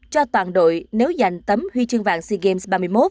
cho toàn đội nếu giành tấm huy chương vàng sea games ba mươi một